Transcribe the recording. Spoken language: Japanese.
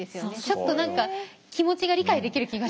ちょっと何か気持ちが理解できる気がしました。